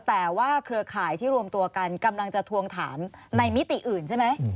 แต่ว่าเครือข่ายที่รวมตัวกันกำลังจะทวงถามในมิติอื่นใช่ไหม